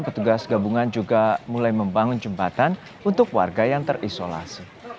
petugas gabungan juga mulai membangun jembatan untuk warga yang terisolasi